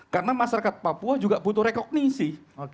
karena masyarakat papua juga butuh rekognisi